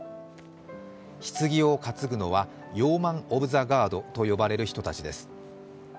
ひつぎを担ぐのはヨーマン・オブ・ザ・ガードと呼ばれる人たちです。